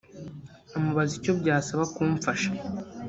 amubaza icyo byasaba kumfasha